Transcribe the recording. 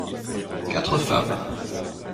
Quatre femmes.